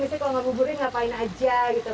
misalnya kalau tidak berburu ngapain saja gitu